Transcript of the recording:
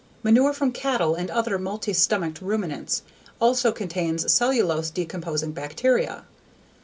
Manure from cattle and other multi stomached ruminants also contains cellulose decomposing bacteria.